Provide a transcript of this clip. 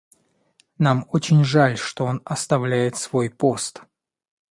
Нам очень жаль, что он оставляет свой пост.